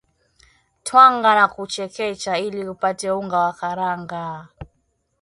twanga na kuchekecha ili upate unga wa karanga